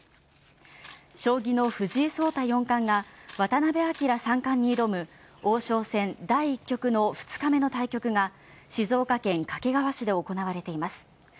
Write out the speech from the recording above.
将棋の藤井聡太四冠が渡辺明三冠に挑む王将戦第１局の２日目の対局が静岡県掛川市で行われています。